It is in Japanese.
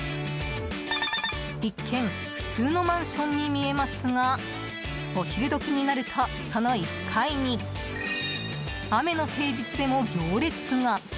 一見、普通のマンションに見えますが、お昼時になるとその１階に雨の平日でも、行列が。